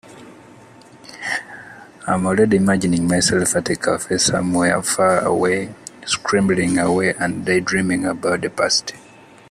I am already imagining myself at a cafe somewhere far away, scribbling away and daydreaming about the past.